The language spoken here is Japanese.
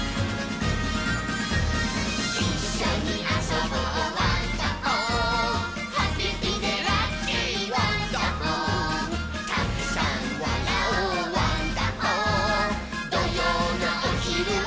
「いっしょにあそぼうワンダホー」「ハピピでラッキーワンダホー」「たくさんわらおうワンダホー」「どようのおひるは」